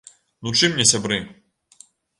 Ну чым не сябры?